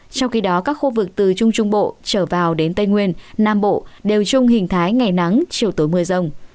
trong khi đó các khu vực từ trung trung bộ trở vào đến tây nguyên nam bộ đều chung hình thái ngày nắng chiều tối mưa rông